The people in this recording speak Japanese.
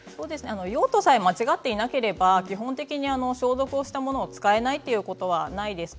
用途さえ間違えていなければ基本的に消毒をしたものを使えないということはないです。